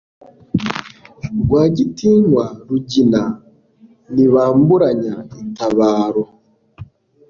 Rwagitinywa rugina ntibamburanya itabaro